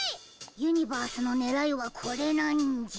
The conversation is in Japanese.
ユニバースのねらいはこれなんじゃ。